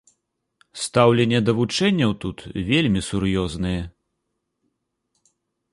Стаўленне да вучэнняў тут вельмі сур'ёзнае.